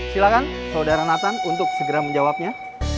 silahkan saudara nathan untuk segera menjawabnya